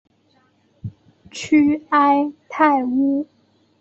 屈埃泰乌。